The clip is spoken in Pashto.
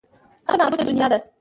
څه نابوده دنیا ده.